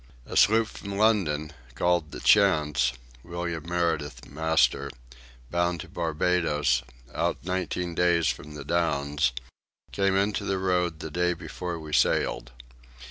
A sloop from London, called the Chance, William Meridith, master, bound to Barbados, out nineteen days from the Downs, came into the road the day before we sailed.